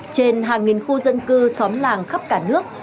trên hàng nghìn khu dân cư xóm làng khắp cả nước